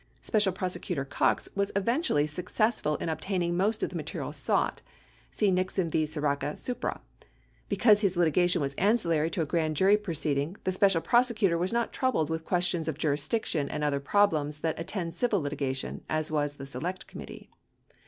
Special Prosecutor Cox was eventually successful in obtaining most of the material sought. (See Nixon v. Sirica, supra.) Because his litigation was ancillary to a grand jury proceeding, the Special Prosecutor was not troubled with questions of jurisdiction and other problems that attend civil litigation as was the Select Committee.